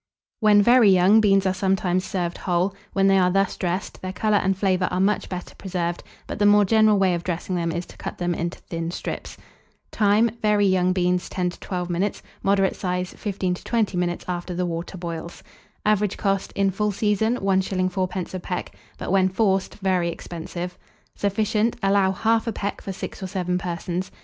When very young, beans are sometimes served whole: when they are thus dressed, their colour and flavour are much better preserved; but the more general way of dressing them is to cut them into thin strips. Time. Very young beans, 10 to 12 minutes; moderate size, 15 to 20 minutes, after the water boils. Average cost, in full season, 1s. 4d. a peck; but, when forced, very expensive. Sufficient. Allow 1/2 peck for 6 or 7 persons.